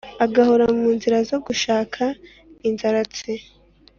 Agahora mu nzira zo gushaka inzaratsi